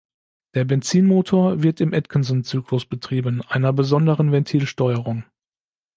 Der Benzinmotor wird im Atkinson-Zyklus betrieben, einer besonderen Ventilsteuerung.